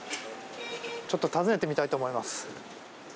ちょっと訪ねてみたいと思います。